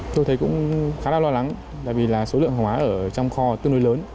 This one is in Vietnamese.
tôi thấy cũng khá là lo lắng đặc biệt là số lượng hóa ở trong kho tương đối lớn